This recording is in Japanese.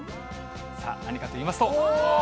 さあ、何かといいますと。